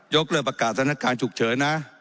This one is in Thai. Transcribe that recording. กเลิกประกาศสถานการณ์ฉุกเฉินนะ